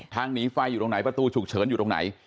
หนีไฟอยู่ตรงไหนประตูฉุกเฉินอยู่ตรงไหน